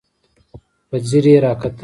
په ځير يې راکتل.